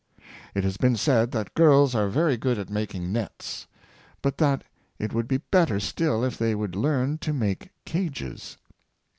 It has been said that girls are very good at making nets, but that it would be better still if they would learn to make cages.